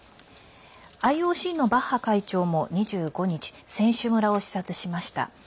ＩＯＣのバッハ会長も２５日、選手村を視察しました。